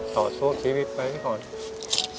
ต่อสู้ชีวิตไปดีกว่า